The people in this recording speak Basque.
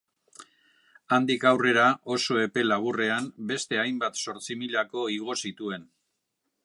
Handik aurrera oso epe laburrean beste hainbat zortzimilako igo zituen.